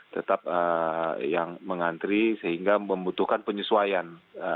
tetap yang mengantri sehingga membutuhkan penyesuaian